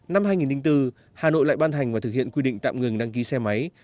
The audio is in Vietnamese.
năm hai nghìn bốn hà nội lại ban hành và thực hiện quy định tạm ngừng đăng ký xe máy